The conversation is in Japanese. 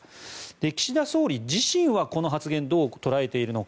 岸田総理自身はこの発言どう捉えているのか。